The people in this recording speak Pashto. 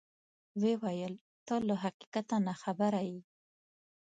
ویې ویل: ته له حقیقته ناخبره یې.